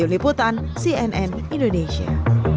liputan cnn indonesia